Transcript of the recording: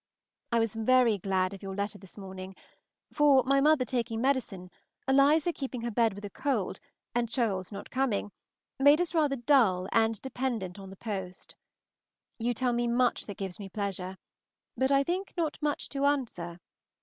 I was very glad of your letter this morning; for, my mother taking medicine, Eliza keeping her bed with a cold, and Choles not coming, made us rather dull and dependent on the post. You tell me much that gives me pleasure, but I think not much to answer.